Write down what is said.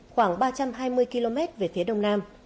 khoảng ba trăm hai mươi km về phía đông nam